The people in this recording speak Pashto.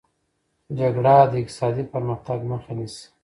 جګړه د اقتصادي پرمختګ مخه نیسي.